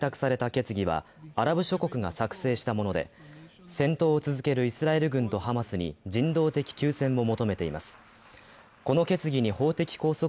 国連総会の特別会合で先ほど採択された決議はアラブ諸国が作成したもので、戦闘を続けるイスラエル軍とハマスに人道的停戦を求めています。